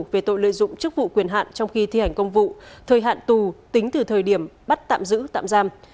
về tội lợi dụng chức vụ quyền hạn trong khi thi hành công vụ thời hạn tù tính từ thời điểm bắt tạm giữ tạm giam